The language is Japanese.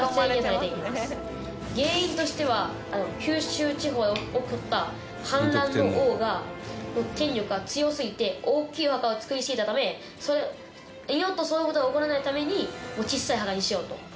原因としては九州地方で起こった反乱の王が権力が強すぎて大きいお墓を作りすぎたため二度とそういう事が起こらないためにもう小さい墓にしようと。